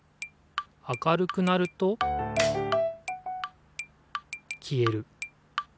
明るくなるときえる。